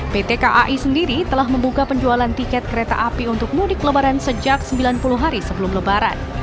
pt kai sendiri telah membuka penjualan tiket kereta api untuk mudik lebaran sejak sembilan puluh hari sebelum lebaran